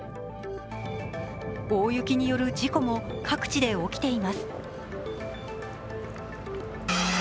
大雪による事故も各地で起きています。